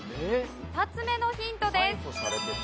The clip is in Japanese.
２つ目のヒントです。